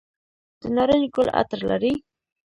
د نارنج ګل عطر لري؟